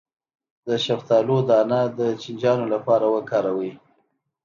د شفتالو دانه د چینجیانو لپاره وکاروئ